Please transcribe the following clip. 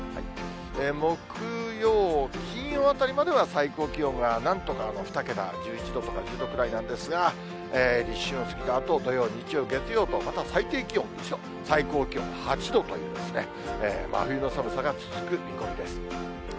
木曜、金曜あたりまでは、最高気温がなんとか２桁、１１度とか１０度くらいなんですが、立春を過ぎたあと、土曜、日曜、月曜と、また最低気温１度、最高気温８度という、真冬の寒さが続く見込みです。